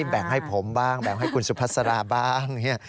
แบ่งให้ผมบ้างแบ่งให้คุณสุภาษาบ้าง